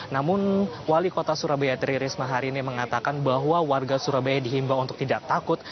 namun wali kota surabaya tri risma hari ini mengatakan bahwa warga surabaya dihimbau untuk tidak takut